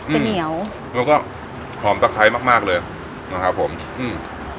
จะเหนียวแล้วก็หอมตะไคร้มากมากเลยนะครับผมอืม